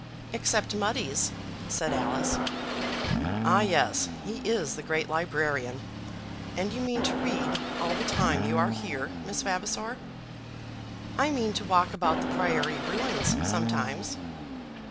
"Except Mudie's," said Alice. "Ah, yes; he is the great librarian. And you mean to read all the time you are here, Miss Vavasor?" "I mean to walk about the priory ruins sometimes."